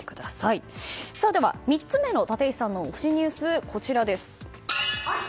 ３つ目の立石さんの推しニュース、こちらです。